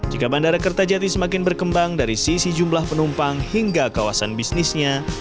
jika bandara kertajati semakin berkembang dari sisi jumlah penumpang hingga kawasan bisnisnya